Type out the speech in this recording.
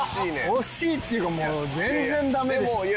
惜しいっていうかもう全然ダメでした。